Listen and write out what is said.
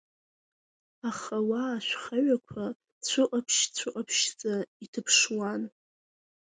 Аха уа ашәхаҩақәа цәыҟаԥшь-цәыҟаԥшьӡа иҭыԥшуан.